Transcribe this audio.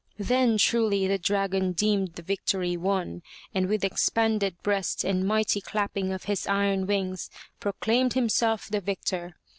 Then, truly the dragon deemed the victory won, and with expanded breast and mighty clapping of his iron wings, pro claimed himself the victor.